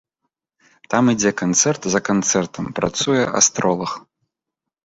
Там ідзе канцэрт за канцэртам, працуе астролаг.